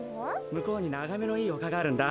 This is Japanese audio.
むこうにながめのいいおかがあるんだ。